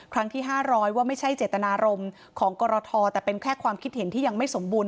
ครั้งที่๕๐๐ว่าไม่ใช่เจตนารมณ์ของกรทแต่เป็นแค่ความคิดเห็นที่ยังไม่สมบูรณ